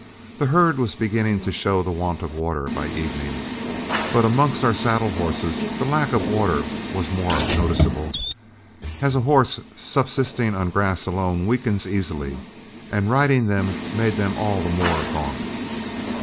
The herd was beginning to show the want of water by evening, but amongst our saddle horses the lack of water was more noticeable, as a horse subsisting on grass alone weakens easily; and riding them made them all the more gaunt.